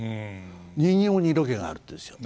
人形に色気があるって言うんですよ。